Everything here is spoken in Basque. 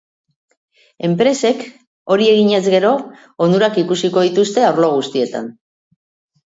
Enpresek hori eginez gero, onurak ikusiko dituzte arlo guztietan.